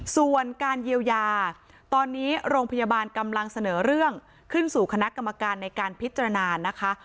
ส่วนการเยียวยาตอนนี้โรงพยาบาลกำลังเสนอเรื่องขึ้นสู่คณะกรรมการในการพิจารณานะคะ